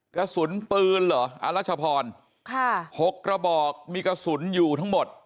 กระสุนปืนเหรออรัชพรค่ะ๖กระบอกมีกระสุนอยู่ทั้งหมด